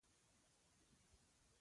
ډېرې دوعاګانې مې هم ورته وکړې.